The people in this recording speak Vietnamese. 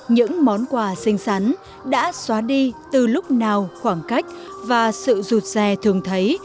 những món quà xinh xắn đã xóa đi từ lúc nào khoảng cách và sự rụt rè thường thấy